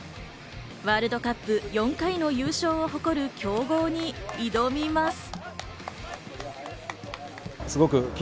ワールドカップ４回の優勝を誇る強豪に挑みます。